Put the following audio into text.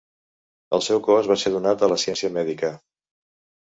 El seu cos va ser donat a la ciència mèdica.